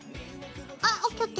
あＯＫＯＫ。